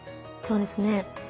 そうですね。